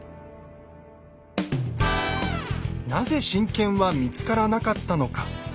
なぜ神剣は見つからなかったのか。